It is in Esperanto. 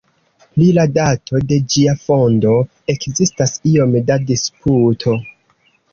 Pri la dato de ĝia fondo ekzistas iom da disputo.